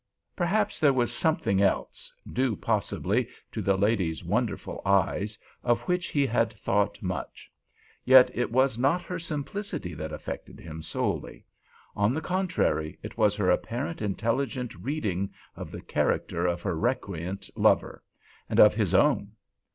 Perhaps there was something else, due possibly to the lady's wonderful eyes, of which he had thought much. Yet it was not her simplicity that affected him solely; on the contrary, it was her apparent intelligent reading of the character of her recreant lover—and of his own!